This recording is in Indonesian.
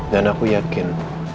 dan aku yakin